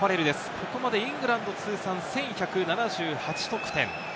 ここまでイングランド通算１１７８得点。